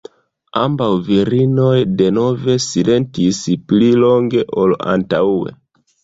Ambaŭ virinoj denove silentis pli longe ol antaŭe.